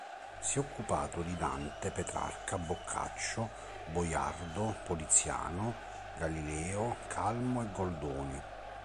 Si è occupato di Dante, Petrarca, Boccaccio, Boiardo, Poliziano, Galileo, Calmo e Goldoni.